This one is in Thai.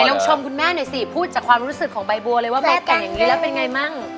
ลองชมคุณแม่หน่อยสิพูดจากความรู้สึกของใบบัวเลยว่าแม่แก่อย่างนี้แล้วเป็นไงมั่ง